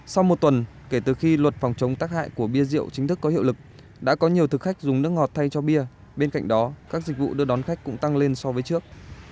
sau một tuần kể từ khi luật phòng chống tác hại của bia rượu chính thức có hiệu lực đã có nhiều thực khách dùng nước ngọt thay cho bia bên cạnh đó các dịch vụ đưa đón khách cũng tăng lên so với trước